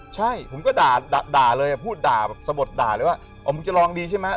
ใช่ผมก็ด่าเลยพูดด่าแบบสะบดด่าเลยว่าอ๋อมึงจะลองดีใช่ไหม